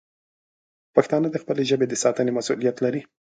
پښتانه د خپلې ژبې د ساتنې مسوولیت لري.